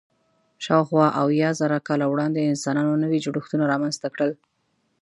شاوخوا اویا زره کاله وړاندې انسانانو نوي جوړښتونه رامنځ ته کړل.